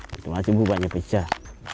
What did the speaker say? tentu saja bu banyak pecah